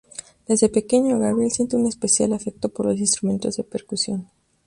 Desde pequeño, Gabriel siente un especial afecto por los instrumentos de percusión.